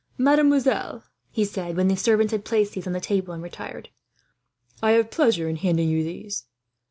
"Mademoiselle," he said, when the servants had placed these on the table and retired, "I have pleasure in handing you these.